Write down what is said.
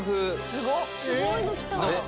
すごいのきた！